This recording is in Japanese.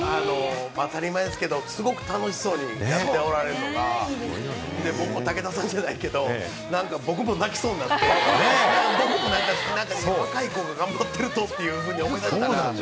当たり前ですけれども、すごく楽しそうにやっておられるのが、僕も、武田さんじゃないけど、なんか僕も泣きそうになって、若い子が頑張ってるという目で、同じ思いで。